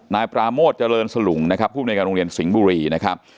นายปราโมทเจริญสลุงนะครับผู้อำนวยการโรงเรียนสิงห์บุรีนะครับ